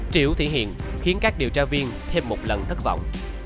triệu thị hiền khiến các điều tra viên thêm một lần thất vọng